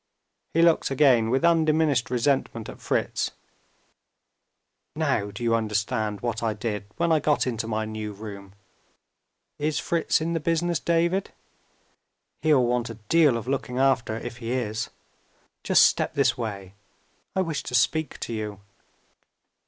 He looked again, with undiminished resentment, at Fritz. "Now do you understand what I did when I got into my new room? Is Fritz in the business, David? He'll want a deal of looking after if he is. Just step this way I wish to speak to you."